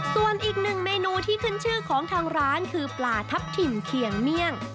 ส่วนอีกหนึ่งเมนูที่ขึ้นชื่อของทางร้านคือปลาทับทิมเคียงเมี่ยง